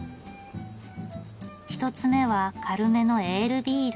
１つ目は軽めのエールビール。